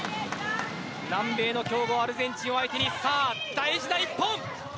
南米の強豪アルゼンチンを相手に大事な１本。